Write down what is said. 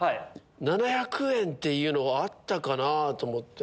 ７００円っていうのがあったかなと思って。